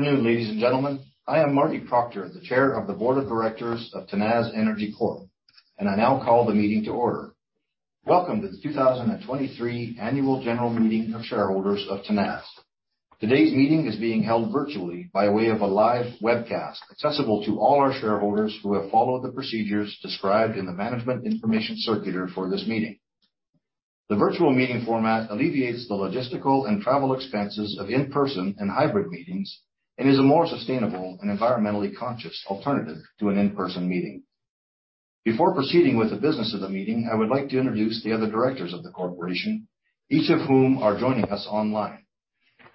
Good afternoon, ladies and gentlemen. I am Marty Proctor, the Chair of the Board of Directors of Tenaz Energy Corp. I now call the meeting to order. Welcome to the 2023 Annual General Meeting of Shareholders of Tenaz. Today's meeting is being held virtually by way of a live webcast, accessible to all our shareholders who have followed the procedures described in the management information circular for this meeting. The virtual meeting format alleviates the logistical and travel expenses of in-person and hybrid meetings is a more sustainable and environmentally conscious alternative to an in-person meeting. Before proceeding with the business of the meeting, I would like to introduce the other Directors of the corporation, each of whom are joining us online.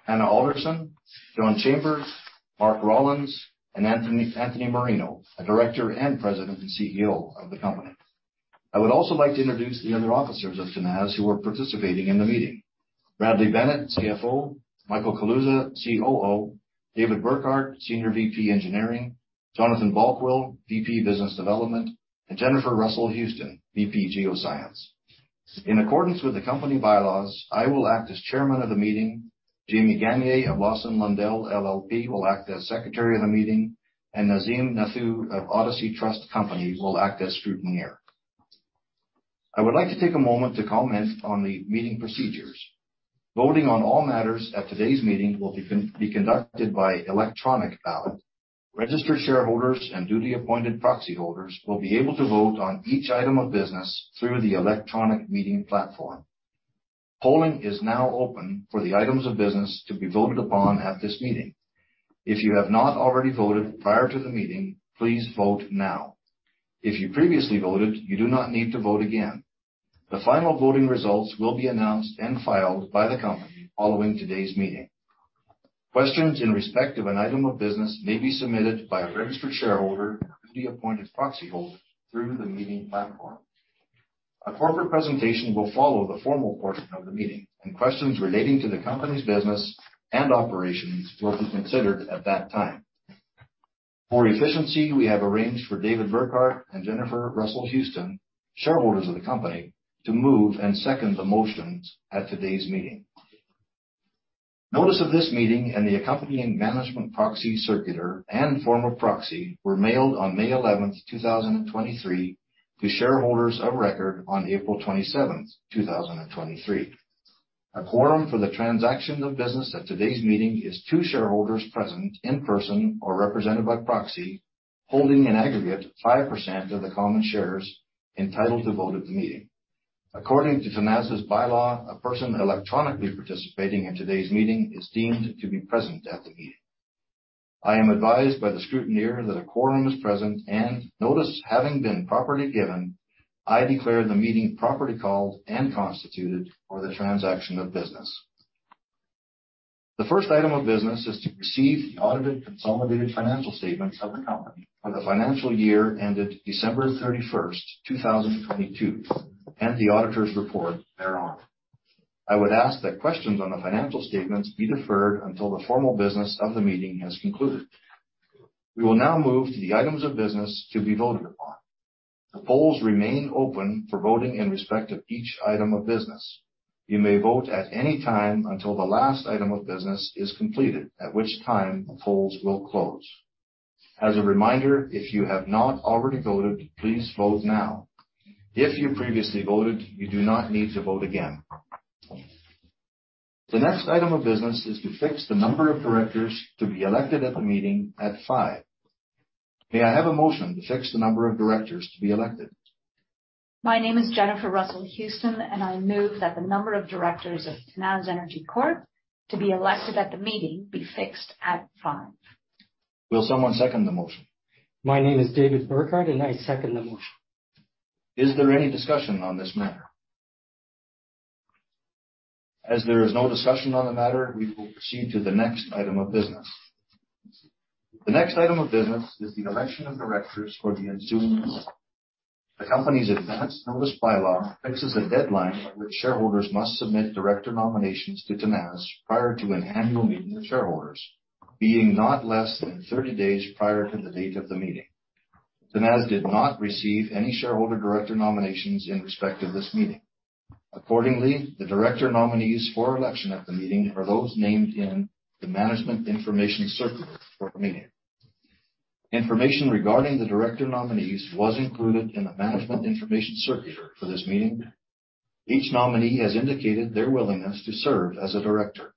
Anna Alderson, John Chambers, Mark Rollins, and Anthony Marino, a Director and President and CEO of the company. I would also like to introduce the other officers of Tenaz who are participating in the meeting. Bradley Bennett, CFO, Michael Kaluza, COO, David Burghardt, Senior VP, Engineering, Jonathan Balkwill, VP, Business Development, and Jennifer Russell-Houston, VP Geoscience. In accordance with the company bylaws, I will act as chairman of the meeting. Jamie Gagner of Lawson Lundell LLP will act as Secretary of the meeting, and Nazim Nathoo of Odyssey Trust Company will act as scrutineer. I would like to take a moment to comment on the meeting procedures. Voting on all matters at today's meeting will be conducted by electronic ballot. Registered shareholders and duly appointed proxy holders will be able to vote on each item of business through the electronic meeting platform. Polling is now open for the items of business to be voted upon at this meeting. If you have not already voted prior to the meeting, please vote now. If you previously voted, you do not need to vote again. The final voting results will be announced and filed by the company following today's meeting. Questions in respect of an item of business may be submitted by a registered shareholder or duly appointed proxy holder through the meeting platform. A corporate presentation will follow the formal portion of the meeting, and questions relating to the company's business and operations will be considered at that time. For efficiency, we have arranged for David Burghardt and Jennifer Russell-Houston, shareholders of the company, to move and second the motions at today's meeting. Notice of this meeting and the accompanying management proxy circular and formal proxy were mailed on May 11th, 2023, to shareholders of record on April 27th, 2023. A quorum for the transaction of business at today's meeting is two shareholders present in person or represented by proxy, holding an aggregate 5% of the common shares entitled to vote at the meeting. According to Tenaz's bylaw, a person electronically participating in today's meeting is deemed to be present at the meeting. I am advised by the scrutineer that a quorum is present, and notice having been properly given, I declare the meeting properly called and constituted for the transaction of business. The first item of business is to receive the audited consolidated financial statements of the company for the financial year ended December 31st, 2022, and the auditor's report thereon. I would ask that questions on the financial statements be deferred until the formal business of the meeting has concluded. We will now move to the items of business to be voted upon. The polls remain open for voting in respect of each item of business. You may vote at any time until the last item of business is completed, at which time the polls will close. As a reminder, if you have not already voted, please vote now. If you previously voted, you do not need to vote again. The next item of business is to fix the number of directors to be elected at the meeting at five. May I have a motion to fix the number of directors to be elected? My name is Jennifer Russell-Houston, and I move that the number of directors of Tenaz Energy Corp. to be elected at the meeting be fixed at five. Will someone second the motion? My name is David Burghardt, and I second the motion. Is there any discussion on this matter? As there is no discussion on the matter, we will proceed to the next item of business. The next item of business is the election of directors for the ensuing. The company's advance notice bylaw fixes a deadline by which shareholders must submit director nominations to Tenaz prior to an annual meeting of shareholders, being not less than 30 days prior to the date of the meeting. Tenaz did not receive any shareholder director nominations in respect of this meeting. Accordingly, the director nominees for election at the meeting are those named in the Management Information Circular for the meeting. Information regarding the director nominees was included in the Management Information Circular for this meeting. Each nominee has indicated their willingness to serve as a director.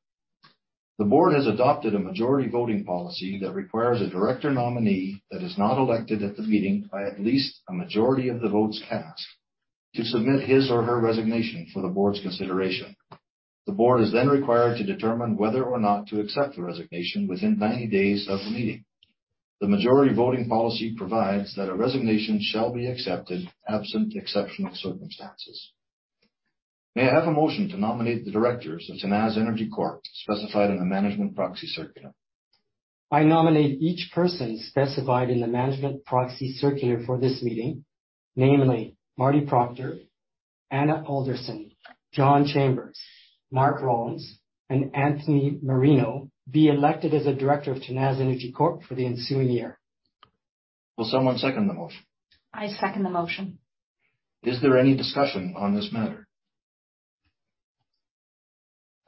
The board has adopted a majority voting policy that requires a director nominee that is not elected at the meeting by at least a majority of the votes cast, to submit his or her resignation for the board's consideration. The board is then required to determine whether or not to accept the resignation within 90 days of the meeting. The majority voting policy provides that a resignation shall be accepted, absent exceptional circumstances. May I have a motion to nominate the directors of Tenaz Energy Corp., specified in the management proxy circular? I nominate each person specified in the management proxy circular for this meeting, namely Marty Proctor, Anna Alderson, John Chambers, Mark Rollins, and Anthony Marino, be elected as a director of Tenaz Energy Corp. for the ensuing year. Will someone second the motion? I second the motion. Is there any discussion on this matter?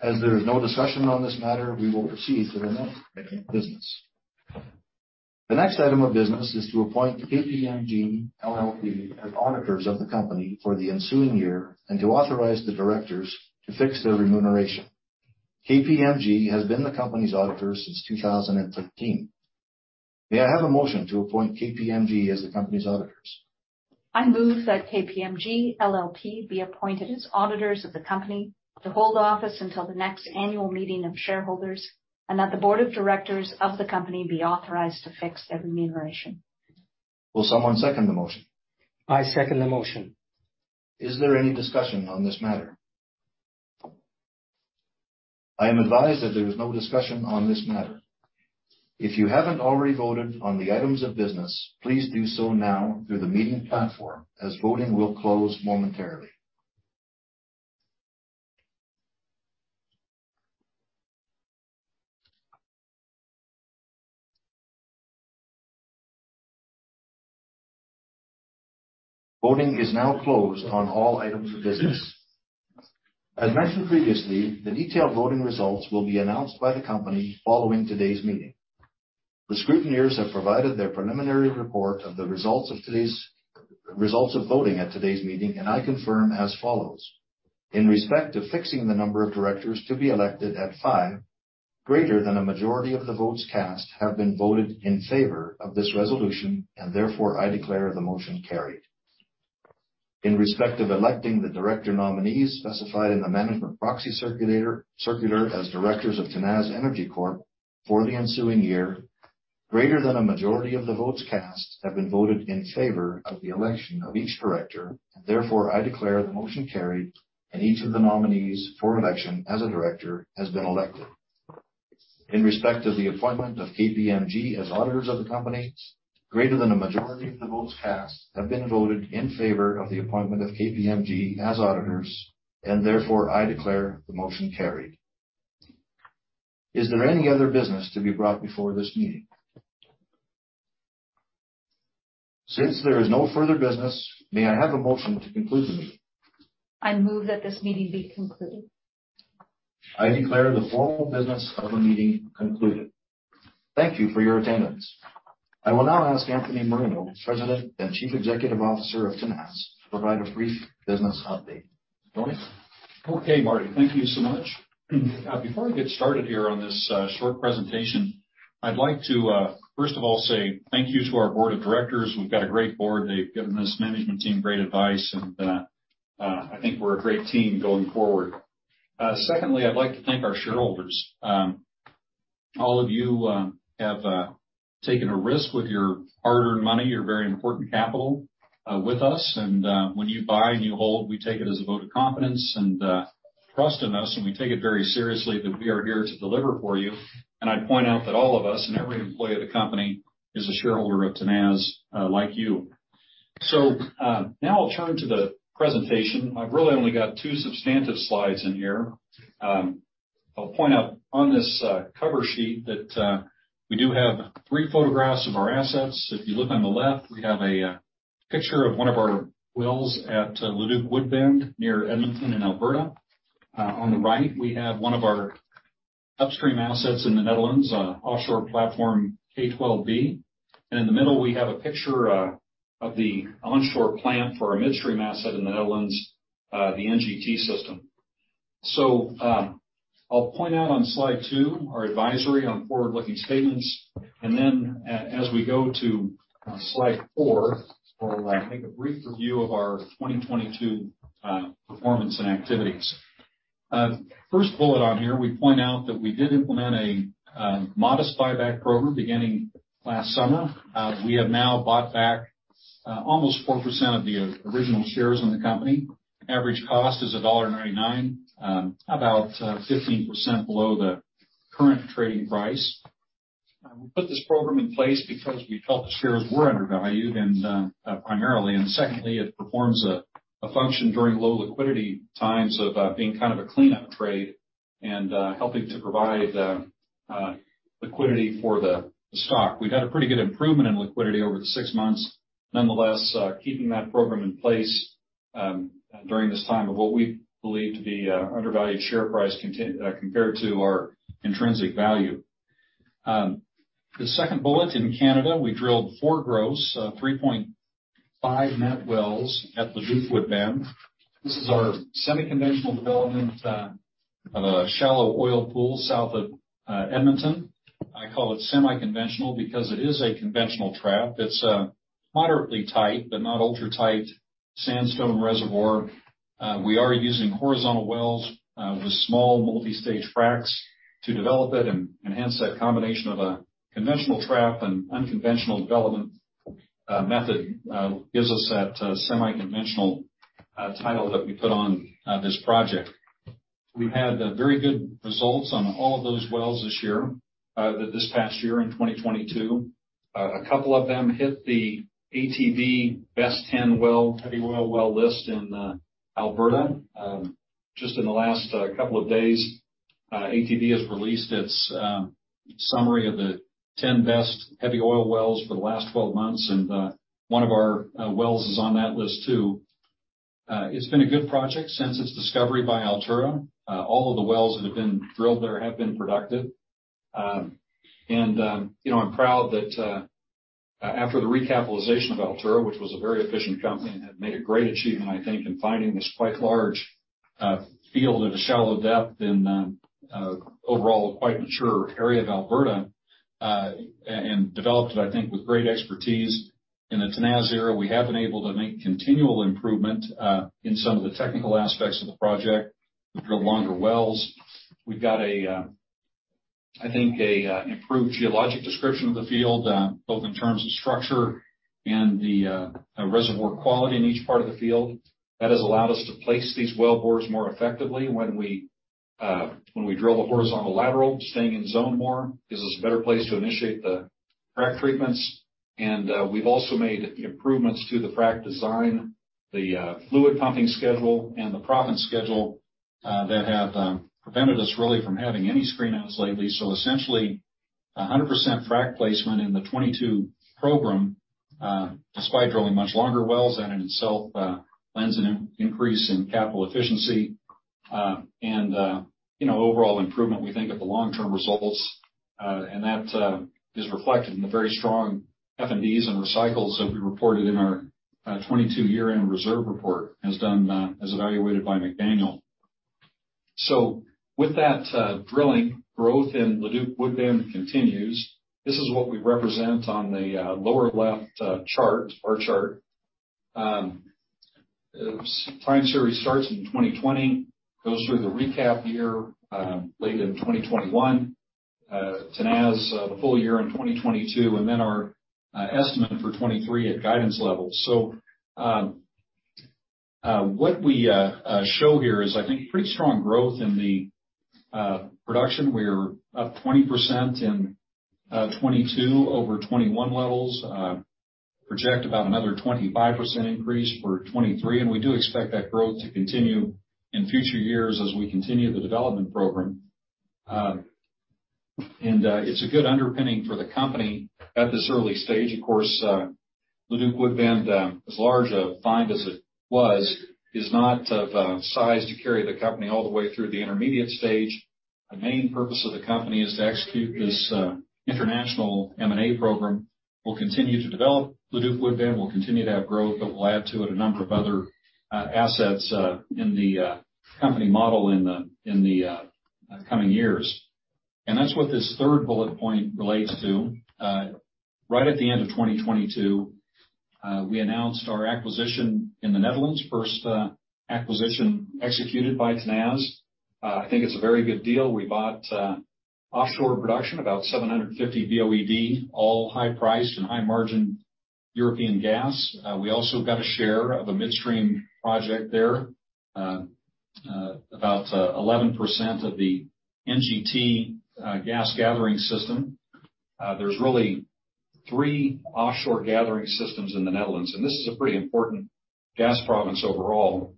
As there is no discussion on this matter, we will proceed to the next business. The next item of business is to appoint KPMG LLP as auditors of the company for the ensuing year and to authorize the directors to fix their remuneration. KPMG has been the company's auditor since 2013. May I have a motion to appoint KPMG as the company's auditors? I move that KPMG LLP be appointed as auditors of the company to hold office until the next annual meeting of shareholders, and that the board of directors of the company be authorized to fix their remuneration. Will someone second the motion? I second the motion. Is there any discussion on this matter? I am advised that there is no discussion on this matter. If you haven't already voted on the items of business, please do so now through the meeting platform, as voting will close momentarily. Voting is now closed on all items of business. As mentioned previously, the detailed voting results will be announced by the company following today's meeting. The scrutineers have provided their preliminary report of the results of today's voting at today's meeting, and I confirm as follows: In respect to fixing the number of directors to be elected at five, greater than a majority of the votes cast have been voted in favor of this resolution, and therefore I declare the motion carried. In respect of electing the director nominees specified in the management proxy circular as directors of Tenaz Energy Corp. for the ensuing year, greater than a majority of the votes cast have been voted in favor of the election of each director, and therefore I declare the motion carried, and each of the nominees for election as a director has been elected. In respect of the appointment of KPMG as auditors of the company, greater than a majority of the votes cast have been voted in favor of the appointment of KPMG as auditors, and therefore I declare the motion carried. Is there any other business to be brought before this meeting? Since there is no further business, may I have a motion to conclude the meeting? I move that this meeting be concluded. I declare the formal business of the meeting concluded. Thank you for your attendance. I will now ask Anthony Marino, President and Chief Executive Officer of Tenaz, to provide a brief business update. Tony? Okay, Marty, thank you so much. Before we get started here on this short presentation, I'd like to first of all, say thank you to our board of directors. We've got a great board. They've given this management team great advice, and I think we're a great team going forward. Secondly, I'd like to thank our shareholders. All of you have taken a risk with your hard-earned money, your very important capital, with us, and when you buy and you hold, we take it as a vote of confidence and trust in us, and we take it very seriously that we are here to deliver for you. I'd point out that all of us and every employee of the company is a shareholder of Tenaz, like you. Now I'll turn to the presentation. I've really only got two substantive slides in here. I'll point out on this cover sheet that we do have three photographs of our assets. If you look on the left, we have a picture of one of our wells at Leduc-Woodbend, near Edmonton in Alberta. On the right, we have one of our upstream assets in the Netherlands, offshore platform K-12B, and in the middle, we have a picture of the onshore plant for our midstream asset in the Netherlands, the NGT system. I'll point out on slide two, our advisory on forward-looking statements, and then as we go to slide four, for, like, make a brief review of our 2022 performance and activities. First bullet on here, we point out that we did implement a modest buyback program beginning last summer. We have now bought back almost 4% of the original shares in the company. Average cost is dollar 1.99, about 15% below the current trading price. We put this program in place because we felt the shares were undervalued and primarily, and secondly, it performs a function during low liquidity times of being kind of a cleanup trade and helping to provide liquidity for the stock. We've had a pretty good improvement in liquidity over the six months. Nonetheless, keeping that program in place during this time of what we believe to be an undervalued share price compared to our intrinsic value. The second bullet in Canada, we drilled 4 gross, 3.5 net wells at Leduc-Woodbend. This is our semi-conventional development of a shallow oil pool south of Edmonton. I call it semi-conventional because it is a conventional trap. It's a moderately tight, but not ultra-tight sandstone reservoir. We are using horizontal wells with small multi-stage fracs to develop it and enhance that combination of a conventional trap and unconventional development method gives us that semi-conventional title that we put on this project. We've had very good results on all of those wells this year, this past year in 2022. A couple of them hit the ATB best 10 well, heavy oil well list in Alberta. Just in the last couple of days... ATB has released its summary of the 10 best heavy oil wells for the last 12 months. One of our wells is on that list, too. It's been a good project since its discovery by Altura. All of the wells that have been drilled there have been productive. You know, I'm proud that after the recapitalization of Altura, which was a very efficient company and had made a great achievement, I think, in finding this quite large field at a shallow depth in overall, quite mature area of Alberta, and developed it, I think, with great expertise. In the Tenaz era, we have been able to make continual improvement in some of the technical aspects of the project. We've drilled longer wells. We've got a, I think, a improved geologic description of the field, both in terms of structure and the reservoir quality in each part of the field. That has allowed us to place these well bores more effectively when we drill the horizontal lateral, staying in zone more, gives us a better place to initiate the frac treatments. We've also made improvements to the frac design, the fluid pumping schedule, and the proppant schedule, that have prevented us really from having any screen-outs lately. Essentially, 100% frac placement in the 2022 program, despite drilling much longer wells, and in itself, lends an increase in capital efficiency, and, you know, overall improvement, we think, of the long-term results. That is reflected in the very strong F&Ds and recycles that we reported in our 2022 year-end reserve report, as done as evaluated by McDaniel. Drilling growth in the Leduc-Woodbend continues. This is what we represent on the lower left chart, bar chart. The time series starts in 2020, goes through the recap year, late in 2021, Tenaz, the full year in 2022, and then our estimate for 2023 at guidance levels. What we show here is, I think, pretty strong growth in the production. We're up 20% in 2022 over 2021 levels. Project about another 25% increase for 2023, and we do expect that growth to continue in future years as we continue the development program. It's a good underpinning for the company at this early stage. Of course, Leduc-Woodbend, as large a find as it was, is not of size to carry the company all the way through the intermediate stage. The main purpose of the company is to execute this international M&A program. We'll continue to develop Leduc-Woodbend. We'll continue to have growth, but we'll add to it a number of other assets in the company model in the coming years. That's what this third bullet point relates to. Right at the end of 2022, we announced our acquisition in the Netherlands. First acquisition executed by Tenaz. I think it's a very good deal. We bought offshore production, about 750 BOED, all high priced and high margin European gas. We also got a share of a midstream project there, about 11% of the NGT gas gathering system. There's really three offshore gathering systems in the Netherlands, and this is a pretty important gas province overall.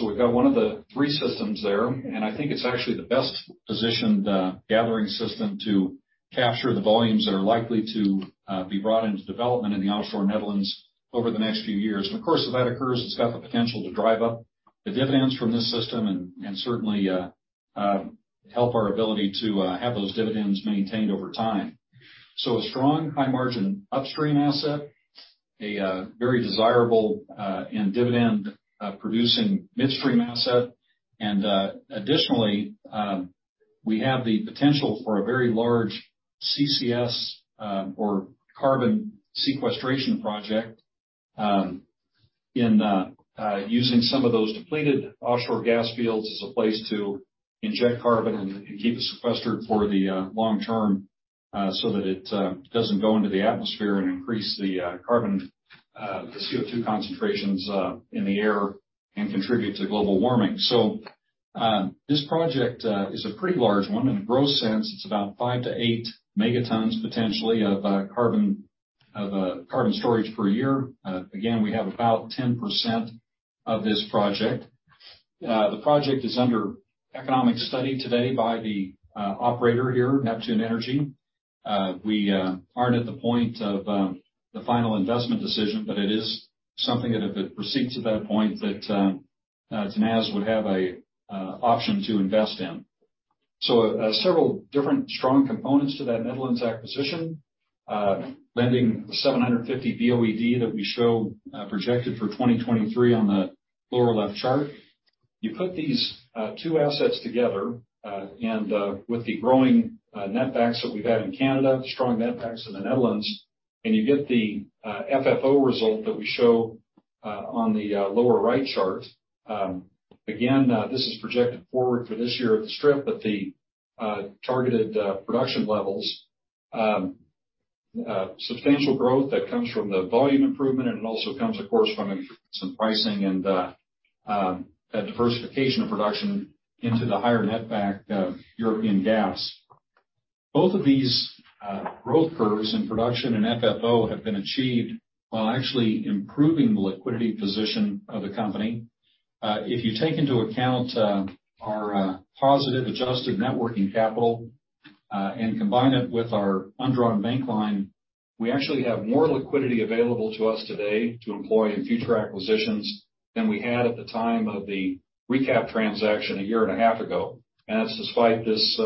We've got one of the three systems there, and I think it's actually the best-positioned gathering system to capture the volumes that are likely to be brought into development in the offshore Netherlands over the next few years. Of course, if that occurs, it's got the potential to drive up the dividends from this system and certainly help our ability to have those dividends maintained over time. A strong high-margin upstream asset, a very desirable and dividend producing midstream asset. Additionally, we have the potential for a very large CCS, or carbon sequestration project, in using some of those depleted offshore gas fields as a place to inject carbon and keep it sequestered for the long term, so that it doesn't go into the atmosphere and increase the carbon, the CO2 concentrations in the air and contribute to global warming. This project is a pretty large one. In a gross sense, it's about 5 megatons-8 megatons, potentially, of carbon, of carbon storage per year. Again, we have about 10% of this project. The project is under economic study today by the operator here, Neptune Energy. we aren't at the point of the final investment decision, but it is something that if it proceeds to that point, that Tenaz would have an option to invest in. Several different strong components to that Netherlands acquisition, lending 750 BOED that we show projected for 2023 on the lower left chart. You put these two assets together, with the growing netbacks that we've had in Canada, strong netbacks in the Netherlands, and you get the FFO result that we show on the lower right chart. Again, this is projected forward for this year at the strip, but the targeted production levels, substantial growth that comes from the volume improvement, and it also comes, of course, from some pricing and a diversification of production into the higher netback European gas. Both of these growth curves in production and FFO have been achieved while actually improving the liquidity position of the company. If you take into account our positive adjusted net working capital and combine it with our undrawn bank line, we actually have more liquidity available to us today to employ in future acquisitions than we had at the time of the recap transaction a year and a half ago. That's despite this,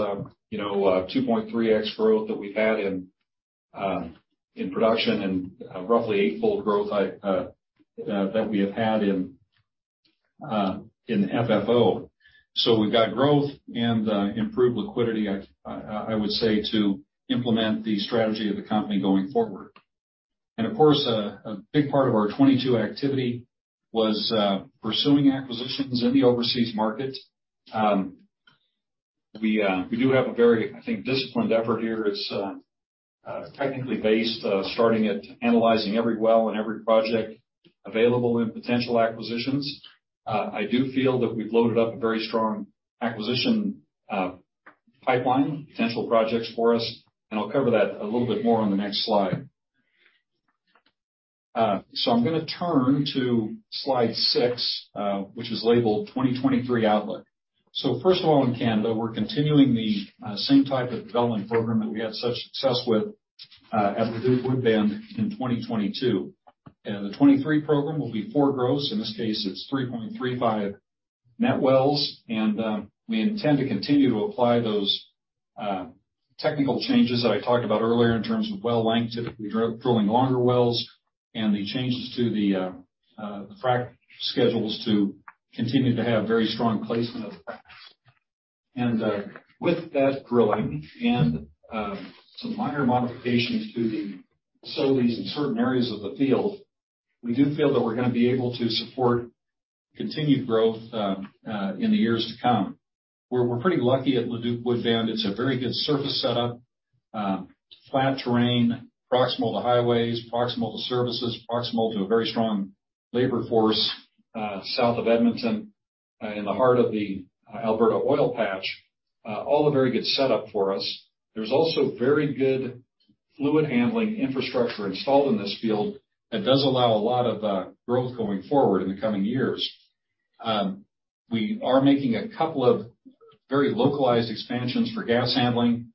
you know, 2.3x growth that we've had in production and roughly eightfold growth that we have had in FFO. We've got growth and improved liquidity, I would say, to implement the strategy of the company going forward. Of course, a big part of our 2022 activity was pursuing acquisitions in the overseas market. We do have a very, I think, disciplined effort here. It's technically based, starting at analyzing every well and every project available in potential acquisitions. I do feel that we've loaded up a very strong acquisition pipeline, potential projects for us, and I'll cover that a little bit more on the next slide. I'm gonna turn to slide six, which is labeled 2023 outlook. First of all, in Canada, we're continuing the same type of development program that we had such success with at Leduc-Woodbend in 2022. The 2023 program will be 4 gross. In this case, it's 3.35 net wells, and we intend to continue to apply those technical changes that I talked about earlier in terms of well length, typically drilling longer wells, and the changes to the frack schedules to continue to have very strong placement of fracks. With that drilling and some minor modifications to the facilities in certain areas of the field, we do feel that we're gonna be able to support continued growth in the years to come, where we're pretty lucky at Leduc-Woodbend, it's a very good surface setup, flat terrain, proximal to highways, proximal to services, proximal to a very strong labor force south of Edmonton in the heart of the Alberta oil patch. All a very good setup for us. There's also very good fluid handling infrastructure installed in this field that does allow a lot of growth going forward in the coming years. We are making a couple of very localized expansions for gas handling,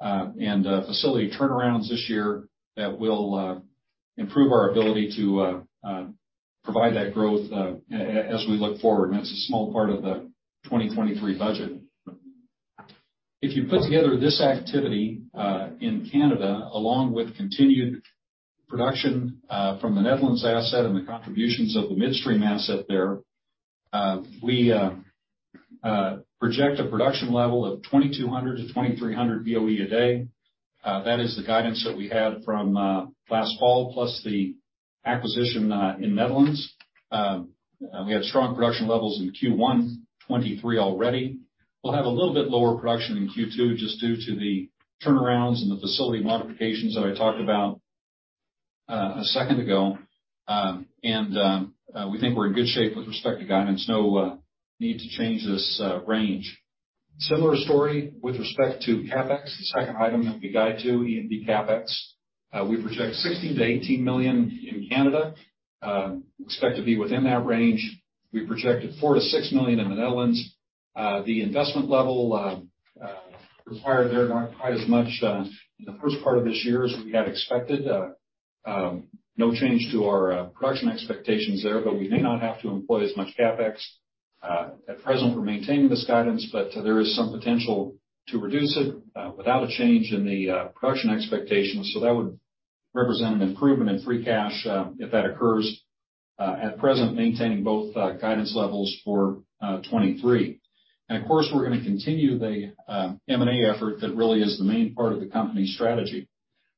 and facility turnarounds this year that will improve our ability to provide that growth as we look forward, and that's a small part of the 2023 budget. If you put together this activity in Canada, along with continued production from the Netherlands asset and the contributions of the midstream asset there, we project a production level of 2,200-2,300 BOE a day. That is the guidance that we had from last fall, plus the acquisition in Netherlands. We had strong production levels in Q1 2023 already. We'll have a little bit lower production in Q2, just due to the turnarounds and the facility modifications that I talked about a second ago. We think we're in good shape with respect to guidance. No need to change this range. Similar story with respect to CapEx, the second item that we guide to, E&P CapEx. We project 16 million-18 million in Canada, expect to be within that range. We projected 4 million-6 million in the Netherlands. The investment level required there, not quite as much in the first part of this year as we had expected. No change to our production expectations there, but we may not have to employ as much CapEx at present for maintaining this guidance, but there is some potential to reduce it without a change in the production expectations. That would represent an improvement in free cash, if that occurs, at present, maintaining both guidance levels for 2023. Of course, we're gonna continue the M&A effort that really is the main part of the company's strategy.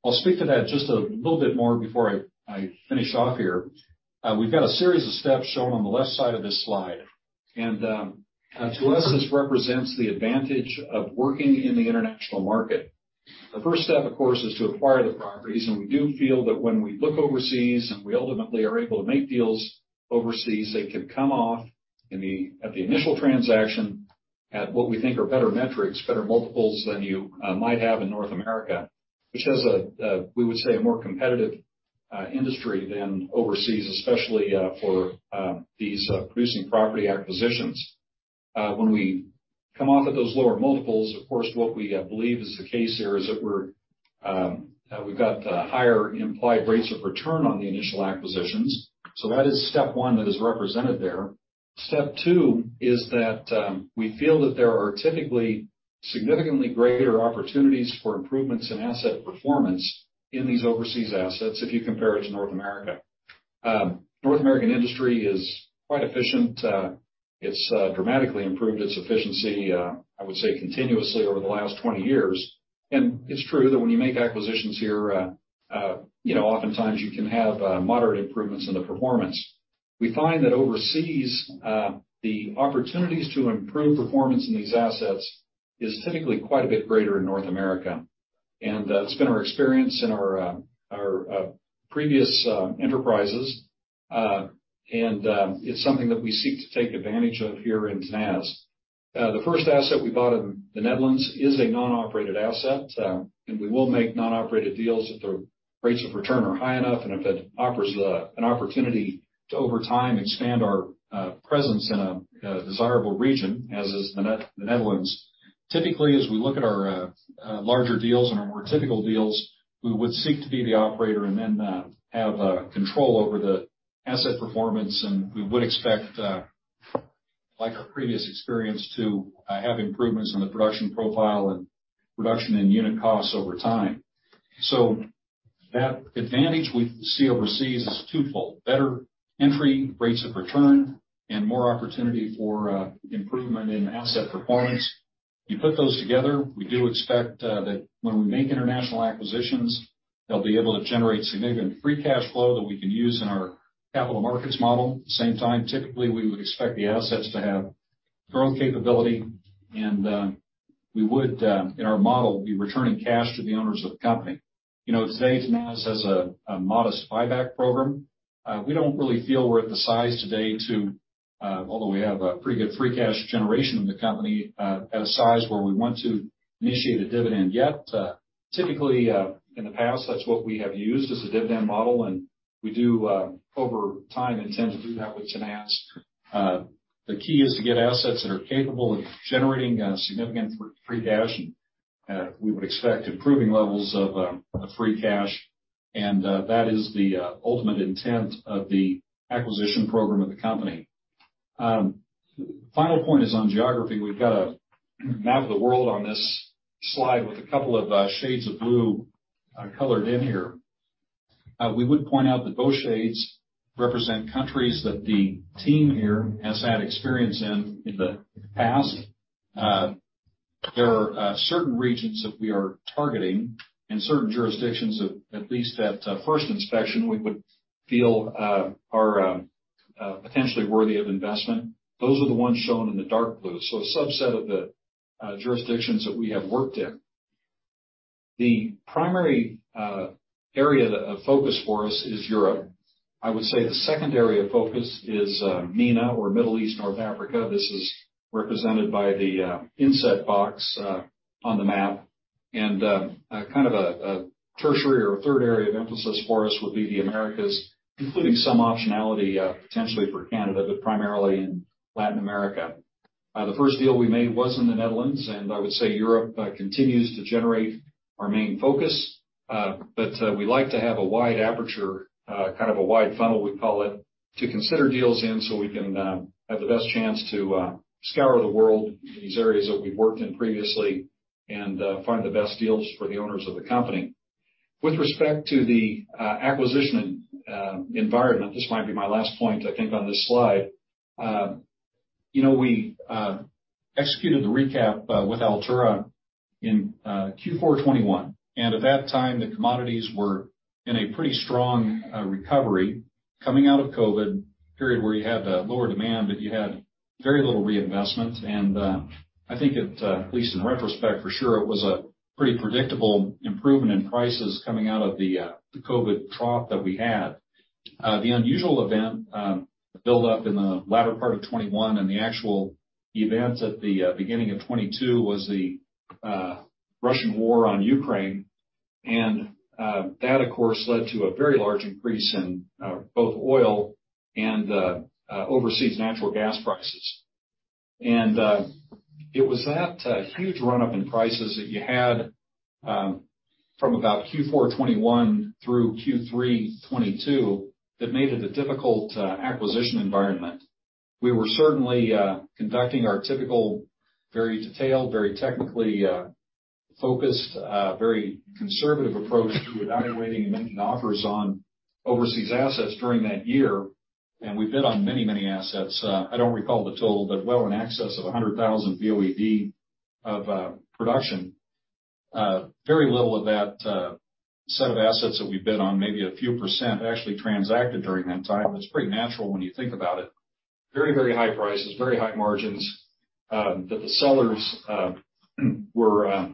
I'll speak to that just a little bit more before I finish off here. We've got a series of steps shown on the left side of this slide, and to us, this represents the advantage of working in the international market. The first step, of course, is to acquire the properties. We do feel that when we look overseas, and we ultimately are able to make deals overseas, they can come off at the initial transaction at what we think are better metrics, better multiples than you might have in North America, which has a, we would say, a more competitive industry than overseas, especially for these producing property acquisitions. When we come off at those lower multiples, of course, what we believe is the case here is that we've got higher implied rates of return on the initial acquisitions. That is step one that is represented there. Step two is that we feel that there are typically significantly greater opportunities for improvements in asset performance in these overseas assets if you compare it to North America. North American industry is quite efficient. It's dramatically improved its efficiency, I would say, continuously over the last 20 years. It's true that when you make acquisitions here, you know, oftentimes you can have moderate improvements in the performance. We find that overseas, the opportunities to improve performance in these assets is typically quite a bit greater in North America. It's been our experience in our previous enterprises and it's something that we seek to take advantage of here in Tenaz. The first asset we bought in the Netherlands is a non-operated asset. We will make non-operated deals if the rates of return are high enough, and if it offers an opportunity to, over time, expand our presence in a desirable region, as is the Netherlands. Typically, as we look at our larger deals and our more typical deals, we would seek to be the operator and then have control over the asset performance, and we would expect, like our previous experience, to have improvements in the production profile and reduction in unit costs over time. That advantage we see overseas is twofold: better entry rates of return and more opportunity for improvement in asset performance. You put those together, we do expect that when we make international acquisitions, they'll be able to generate significant free cash flow that we can use in our capital markets model. At the same time, typically, we would expect the assets to have growth capability, and we would, in our model, be returning cash to the owners of the company. You know, today, Tenaz has a modest buyback program. We don't really feel we're at the size today to, although we have a pretty good free cash generation in the company, at a size where we want to initiate a dividend yet. Typically, in the past, that's what we have used as a dividend model, and we do, over time, intend to do that with Tenaz. The key is to get assets that are capable of generating significant free cash, we would expect improving levels of free cash, that is the ultimate intent of the acquisition program of the company. Final point is on geography. We've got a map of the world on this slide with a couple of shades of blue colored in here. We would point out that both shades represent countries that the team here has had experience in the past. There are certain regions that we are targeting and certain jurisdictions that at least that first inspection, we would feel are potentially worthy of investment. Those are the ones shown in the dark blue. A subset of the jurisdictions that we have worked in. The primary area of focus for us is Europe. I would say the second area of focus is MENA or Middle East-North Africa. This is represented by the inset box on the map. Kind of a tertiary or a third area of emphasis for us would be the Americas, including some optionality potentially for Canada, but primarily in Latin America. The first deal we made was in the Netherlands. I would say Europe continues to generate our main focus, but we like to have a wide aperture, kind of a wide funnel, we call it, to consider deals in, so we can have the best chance to scour the world in these areas that we've worked in previously and find the best deals for the owners of the company. With respect to the acquisition environment, this might be my last point, I think, on this slide. You know, we executed the recap with Altura in Q4 2021, and at that time, the commodities were in a pretty strong recovery coming out of COVID, period where you had the lower demand, but you had very little reinvestment. I think it, at least in retrospect, for sure, it was a pretty predictable improvement in prices coming out of the COVID trough that we had. The unusual event build up in the latter part of 2021 and the actual events at the beginning of 2022, was the Russian war on Ukraine. That, of course, led to a very large increase in both oil and overseas natural gas prices. It was that huge run-up in prices that you had from about Q4 2021 through Q3 2022, that made it a difficult acquisition environment. We were certainly conducting our typical, very detailed, very technically focused, very conservative approach to evaluating and making offers on overseas assets during that year, and we bid on many, many assets. I don't recall the total, but well in access of 100,000 BOED of production. Very little of that set of assets that we bid on, maybe a few percent, actually transacted during that time. It's pretty natural when you think about it. Very, very high prices, very high margins, that the sellers were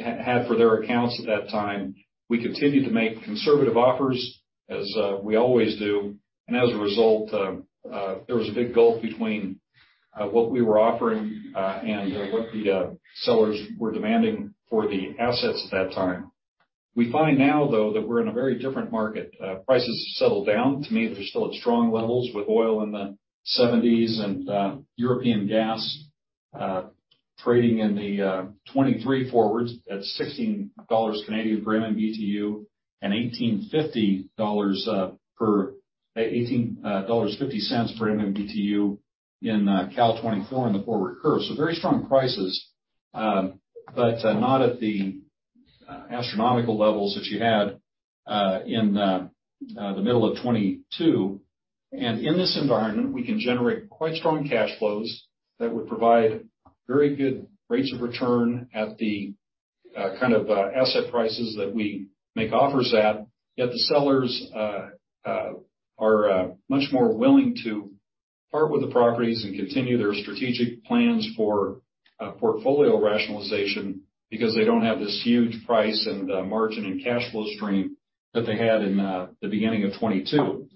had for their accounts at that time. We continued to make conservative offers, as we always do, and as a result, there was a big gulf between what we were offering and what the sellers were demanding for the assets at that time. We find now, though, that we're in a very different market. Prices have settled down. To me, they're still at strong levels with oil in the 70s and European gas trading in the 2023 forwards at 16 Canadian dollars per MMBtu, and CAD 18.50 per MMBtu in Cal 2024, in the forward curve. Very strong prices, not at the astronomical levels that you had in the middle of 2022. In this environment, we can generate quite strong cash flows that would provide very good rates of return at the kind of asset prices that we make offers at, yet the sellers are much more willing to part with the properties and continue their strategic plans for portfolio rationalization, because they don't have this huge price and margin and cash flow stream that they had in the beginning of 2022.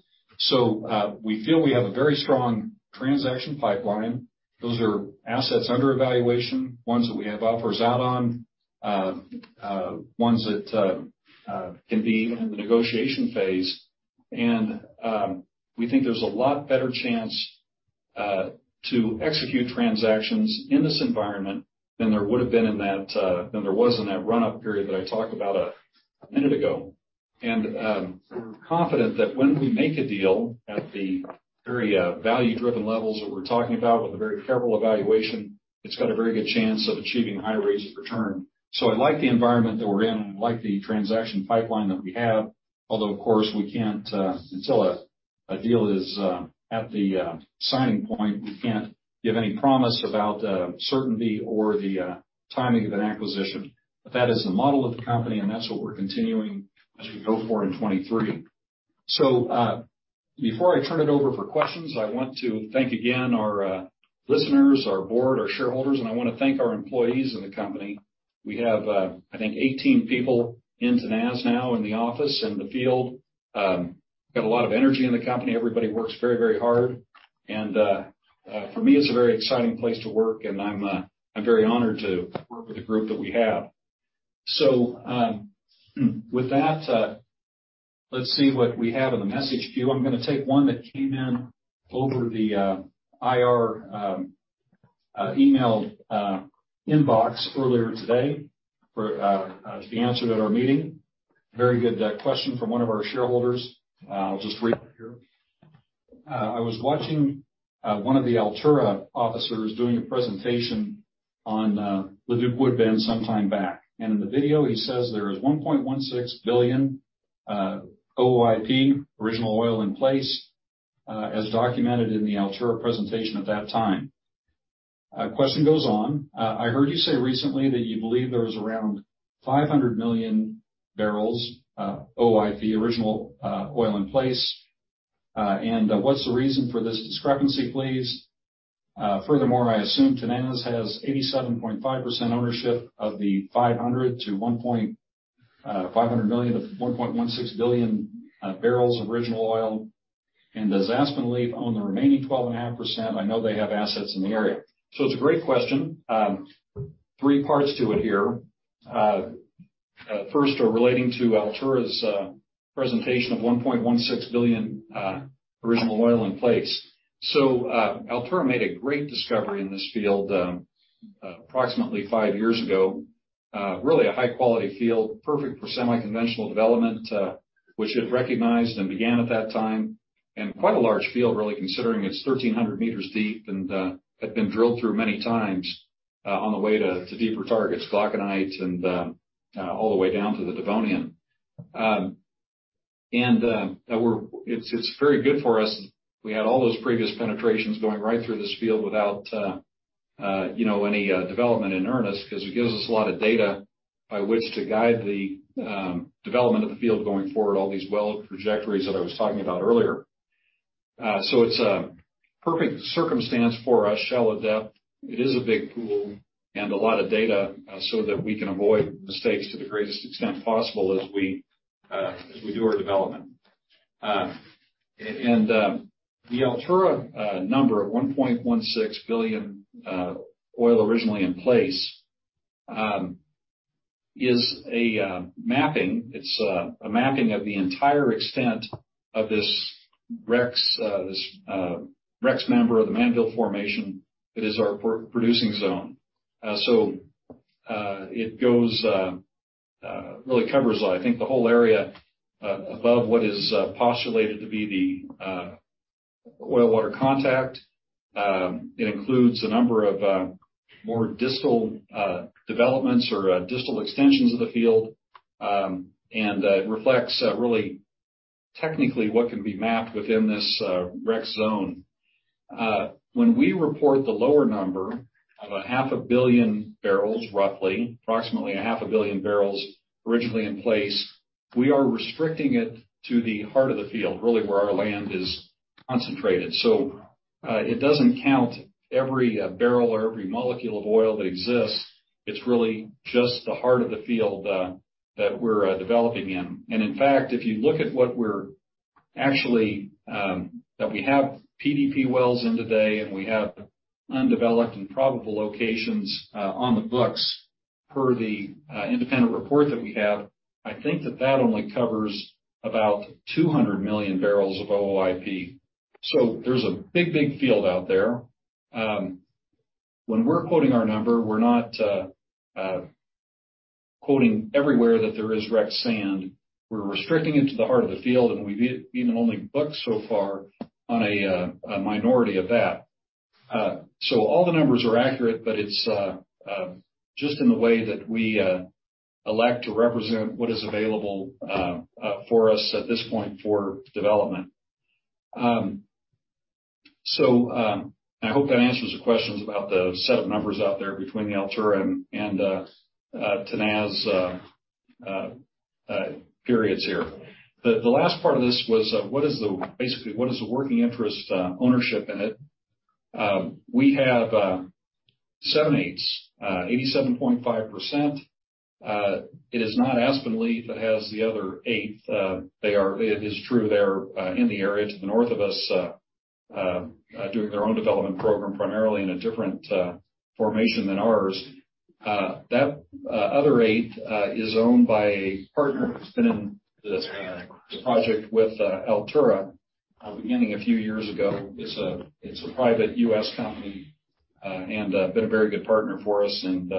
We feel we have a very strong transaction pipeline. Those are assets under evaluation, ones that we have offers out on, ones that can be in the negotiation phase. We think there's a lot better chance to execute transactions in this environment than there would have been in that than there was in that run-up period that I talked about a minute ago. We're confident that when we make a deal at the very value-driven levels that we're talking about with a very careful evaluation, it's got a very good chance of achieving high rates of return. I like the environment that we're in. I like the transaction pipeline that we have. Although, of course, we can't until a deal is at the signing point, we can't give any promise about certainty or the timing of an acquisition. That is the model of the company, and that's what we're continuing as we go forward in 2023. Before I turn it over for questions, I want to thank again our listeners, our board, our shareholders, and I want to thank our employees in the company. We have, I think, 18 people in Tenaz now in the office, in the field. Got a lot of energy in the company. Everybody works very, very hard, and for me, it's a very exciting place to work, and I'm very honored to work with the group that we have. With that, let's see what we have in the message queue. I'm gonna take one that came in over the IR email inbox earlier today for to be answered at our meeting. Very good question from one of our shareholders. I'll just read it here. I was watching one of the Altura officers doing a presentation on the Leduc-Woodbend sometime back. In the video, he says there is 1.16 billion OOIP, original oil in place, as documented in the Altura presentation at that time. Question goes on, I heard you say recently that you believe there was around 500 million barrels OOIP, original oil in place. What's the reason for this discrepancy, please? Furthermore, I assume Tenaz has 87.5% ownership of the 500 million to 1.16 billion barrels of original oil, and does Aspenleaf own the remaining 12.5%? I know they have assets in the area. It's a great question. Three parts to it here. First, relating to Altura's presentation of 1.16 billion original oil in place. Altura made a great discovery in this field, approximately five years ago. Really, a high-quality field, perfect for semi-conventional development, which it recognized and began at that time, and quite a large field, really, considering it's 1,300 meters deep and had been drilled through many times, on the way to deeper targets, glaucanites and all the way down to the Devonian. It's very good for us. We had all those previous penetrations going right through this field without any development in earnest, 'cause it gives us a lot of data by which to guide the development of the field going forward, all these well trajectories that I was talking about earlier. It's a perfect circumstance for us, shallow depth. It is a big pool and a lot of data, so that we can avoid mistakes to the greatest extent possible as we do our development. The Altura number at 1.16 billion oil originally in place is a mapping. It's a mapping of the entire extent of this Rex, this Rex Member of the Mannville Formation. That is our producing zone. It goes really covers, I think, the whole area above what is postulated to be the oil-water contact. It includes a number of more distal developments or distal extensions of the field, and it reflects really technically, what can be mapped within this Rex zone. When we report the lower number of a half a billion barrels, roughly, approximately a half a billion barrels originally in place, we are restricting it to the heart of the field, really where our land is concentrated. It doesn't count every barrel or every molecule of oil that exists. It's really just the heart of the field that we're developing in. In fact, if you look at what we're actually, that we have PDP wells in today, and we have undeveloped and probable locations on the books, per the independent report that we have, I think that that only covers about 200 million barrels of OOIP. There's a big, big field out there. When we're quoting our number, we're not quoting everywhere that there is Rex sand. We're restricting it to the heart of the field, and we've even only booked so far on a minority of that. All the numbers are accurate, but it's just in the way that we elect to represent what is available for us at this point for development. I hope that answers the questions about the set of numbers out there between the Altura and Tenaz periods here. The last part of this was, basically, what is the working interest ownership in it? We have 7/8, 87.5%. It is not Aspenleaf that has the other eighth. It is true they're in the area to the north of us, doing their own development program, primarily in a different formation than ours. That other eighth is owned by a partner that's been in this project with Altura, beginning a few years ago. It's a private U.S. company, and been a very good partner for us, and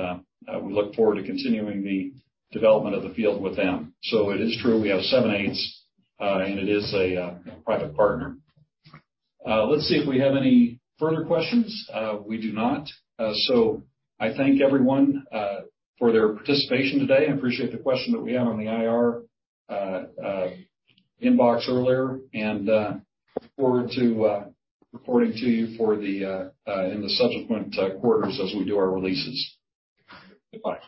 we look forward to continuing the development of the field with them. It is true, we have seven-eighths, and it is a private partner. Let's see if we have any further questions. We do not. I thank everyone for their participation today. I appreciate the question that we had on the IR inbox earlier, and look forward to reporting to you for the in the subsequent quarters as we do our releases. Goodbye.